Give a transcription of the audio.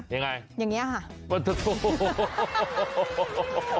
อย่างไรยังนี้ค่ะ